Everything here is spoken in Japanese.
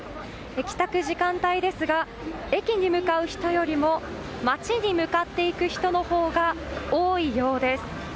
帰宅時間帯ですが駅に向かう人よりも街に向かっていく人のほうが多いようです。